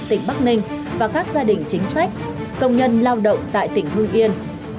tỉnh bắc ninh và các gia đình chính sách công nhân lao động tại tỉnh hương yên